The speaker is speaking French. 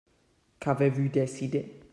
Qu'avez-vous décidé ?